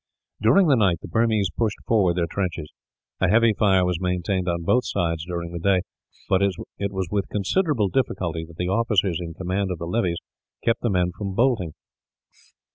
During the night, the Burmese pushed forward their trenches. A heavy fire was maintained on both sides during the day, but it was with considerable difficulty that the officers in command of the levies kept the men from bolting.